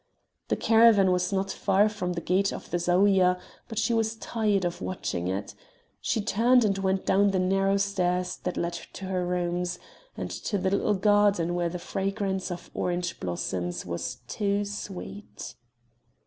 The caravan was not far from the gate of the Zaouïa, but she was tired of watching it. She turned and went down the narrow stairs that led to her rooms, and to the little garden where the fragrance of orange blossoms was too sweet.